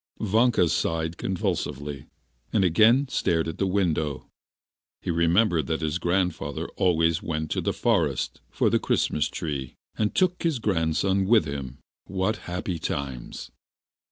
Vanka sighed convulsively, and again stared at the window. He remembered that his grandfather always went to the forest for the Christmas tree, and took his grandson with him. What happy times!